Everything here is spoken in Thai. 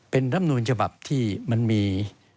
เป็นรำนูลฉบับที่มันมี